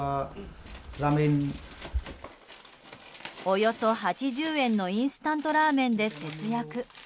およそ８０円のインスタントラーメンで節約。